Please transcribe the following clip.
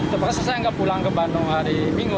terpaksa saya nggak pulang ke bandung hari minggu